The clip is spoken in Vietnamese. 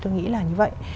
tôi nghĩ là như vậy